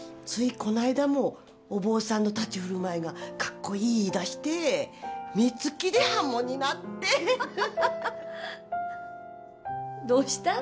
この間もお坊さんの立ち居振る舞いがかっこいい言い出して三月で破門になってどうしたん？